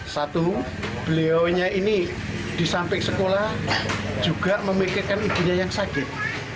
satu beliau ini disamping sekolah juga memikirkan ibunya yang sakit